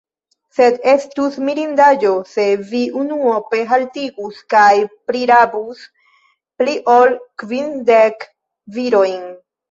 Sed estus mirindaĵo, se vi unuope haltigus kaj prirabus pli ol kvindek virojn!